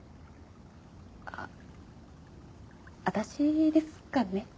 あっ私ですかね？